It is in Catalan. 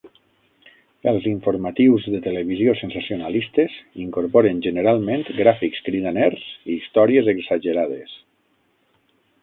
Els informatius de televisió sensacionalistes incorporen generalment gràfics cridaners i històries exagerades.